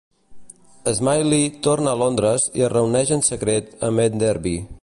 Smiley torna a Londres i es reuneix en secret amb Enderby.